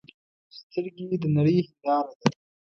سترګې د نړۍ هنداره ده